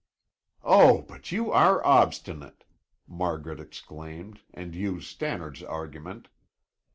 "Oh, but you are obstinate!" Margaret exclaimed and used Stannard's argument.